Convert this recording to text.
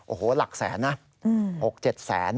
โอ้โหหลักแสนนะ๖๗แสน